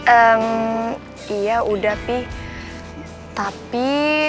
eee iya udah pi tapi